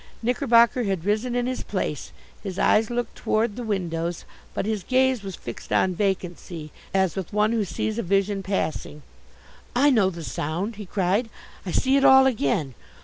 Knickerbocker had risen in his place, his eyes looked toward the windows, but his gaze was fixed on vacancy as with one who sees a vision passing. "I know the sound," he cried. "I see it all again.